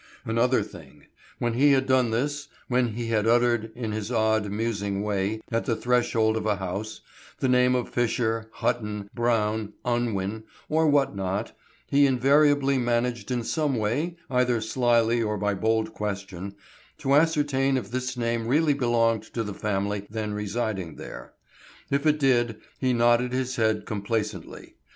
Another thing: When he had done this, when he had uttered in his odd, musing way, at the threshold of a house, the name of Fisher, Hutton, Brown, Unwin, or what not, he invariably managed in some way, either slyly or by bold question, to ascertain if this name really belonged to the family then residing there. If it did, he nodded his head complacently.